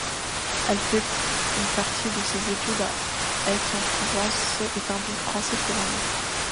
Elle fait une partie de ses études à Aix-en-Provence et parle donc français couramment.